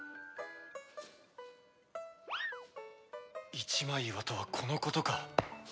一枚岩とはこのことか